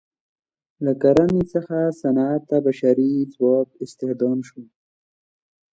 له کرنې څخه صنعت ته بشري ځواک استخدام شو.